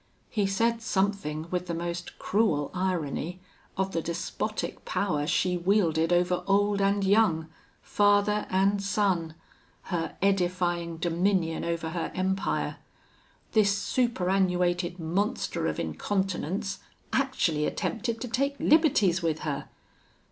He said something, with the most cruel irony, of the despotic power she wielded over old and young, father and son her edifying dominion over her empire. This superannuated monster of incontinence actually attempted to take liberties with her.